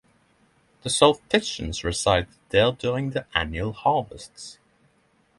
The Sulpicians resided there during the annual harvests.